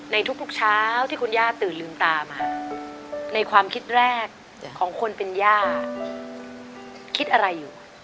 ในทุกเช้าที่คุณย่าตื่นลืมตามาในความคิดแรกของคนเป็นย่าคิดอะไรอยู่